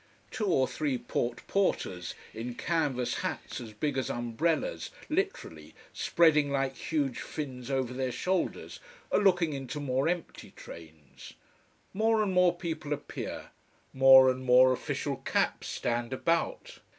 Two or three port porters, in canvas hats as big as umbrellas, literally, spreading like huge fins over their shoulders, are looking into more empty trains. More and more people appear. More and more official caps stand about.